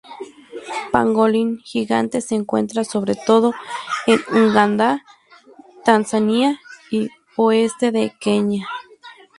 El pangolín gigante se encuentra sobre todo en Uganda, Tanzania y oeste de Kenia.